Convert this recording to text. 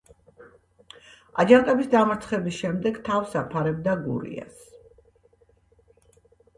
აჯანყების დამარცხების შემდეგ თავს აფარებდა გურიას.